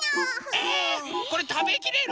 えこれたべきれる？